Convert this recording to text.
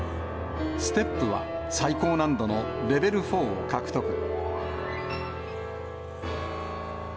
ステップは、最高難度のレベル４を獲得。